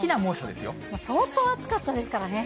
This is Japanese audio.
相当暑かったですからね。